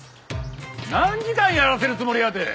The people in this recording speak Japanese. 何時間やらせるつもりやて。